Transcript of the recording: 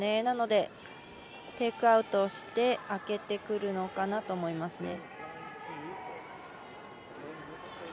なので、テイクアウトをして空けてくるのかなと思います。